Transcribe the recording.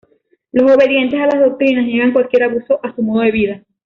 Los obedientes a las doctrinas niegan cualquier abuso a su modo de vida.